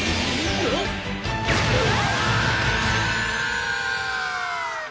うわ！